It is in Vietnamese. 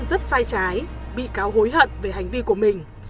bản thân rất sai trái bị cáo hối hận về hành vi của mình